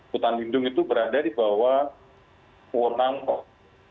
hutan lindung itu berada di bawah uwur nangkot